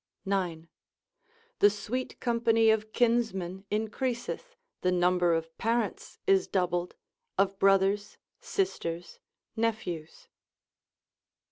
—9. The sweet company of kinsmen increaseth, the number of parents is doubled, of brothers, sisters, nephews.